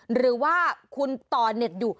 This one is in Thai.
หรือว่าคุณต่อเน็ตอยู่